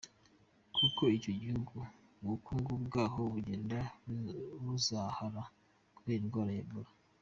Kuko icyo gihugu u bukungu bwaho bugenda buzahazahara kubera indwara ya Ebola .